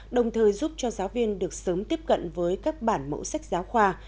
đồng thời giúp cho giáo viên được sớm tiếp cận với các bản mẫu sách giáo khoa